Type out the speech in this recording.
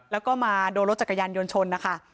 แล้วก็มาโดนรถจักรยานยนต์ชนนะคะ